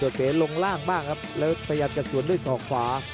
เก๋ลงล่างบ้างครับแล้วพยายามจะสวนด้วยศอกขวา